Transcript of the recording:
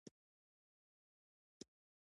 نو د خوب په حالت کې ورسره خبرې کوه چې اوریدلی شي.